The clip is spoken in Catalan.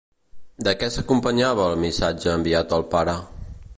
De què s'acompanyava el missatge enviat al pare?